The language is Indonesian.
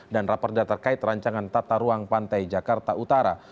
dan rapornya terkait rancangan tata ruang pantai jakarta utara